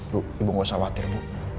bu ibu gak usah khawatir bu